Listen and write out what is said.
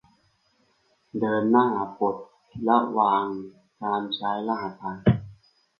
เดินหน้าปลดระวางการใช้รหัสผ่าน